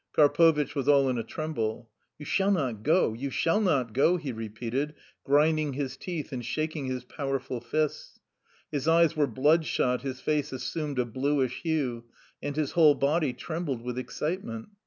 Karpovitch was all in a tremble. " You shall not go, you shall not go," he re peated, grinding his teeth and shaking his pow erful fists. His eyes were bloodshot, his face assumed a bluish hue, and his whole body trem bled with excitement.